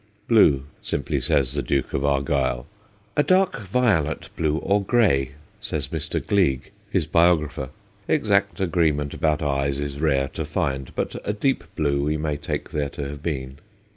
'Blue/ simply says the Duke of Argyll ;' a dark violet blue or grey/ says Mr. Gleig, his biographer : exact agreement about eyes is rare to find, but a deep blue we may take them to have been.